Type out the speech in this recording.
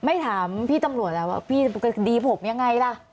ไม่ถามพี่ตำรวจน่ะว่าดีผมยังไงล่ะ